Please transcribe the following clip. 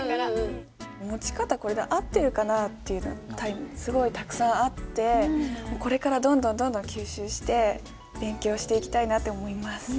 持ち方これで合ってるかな？っていうのがすごいたくさんあってこれからどんどん吸収して勉強していきたいなって思います。